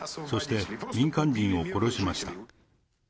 そして民間人を殺しました。